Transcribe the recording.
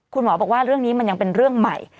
คุณหมอบอกว่าเรื่องนี้มันยังเป็นเรื่องใหม่